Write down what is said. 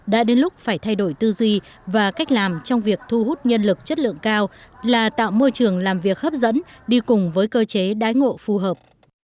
đã đến lúc phải thay đổi tư duy và cách làm trong việc thu hút nhân lực chất lượng cao là tạo môi trường làm việc hấp dẫn đi cùng với cơ chế đái ngộ phù hợp